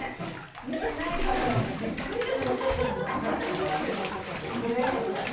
見てない方はびっくりするシーン満載ですけど。